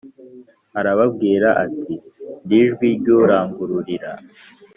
arababwira ati ndi ijwi ry urangururira